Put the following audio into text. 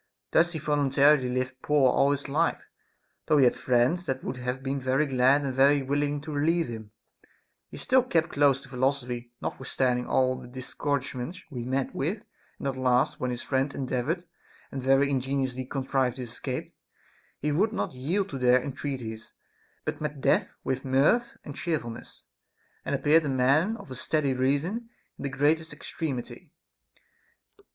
Thus he voluntarily lived poor all his life, though he had friends that would have been very glad and very willing to relieve him ; he still kept close to philosophy, notwithstanding all the discourage ments he met with ; and at last, when his friends endeav ored and very ingeniously contrived his escape, he would not yield to their entreaties, but met death with mirth and cheerfulness, and appeared a man of a steady reason in the greatest extremity.